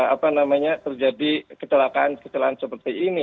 apa namanya terjadi ketelakaan ketelakaan seperti ini